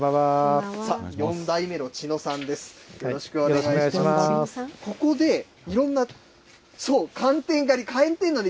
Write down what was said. ４代目の茅野さんです。